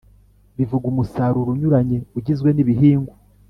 Bivuga umusaruro unyuranye ugizwe n ibihingwa